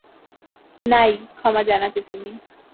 না-ই ক্ষমা জানাতে তুমি।